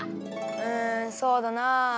うんそうだな。